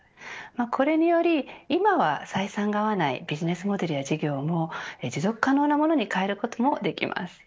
これにより、今は採算が合わないビジネスモデルや事業も持続可能なものに変えることもできます。